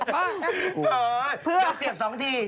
โดนเสียบ๒ที